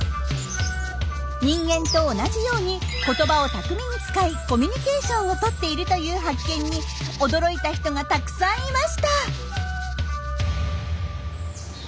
人間と同じように言葉を巧みに使いコミュニケーションをとっているという発見に驚いた人がたくさんいました。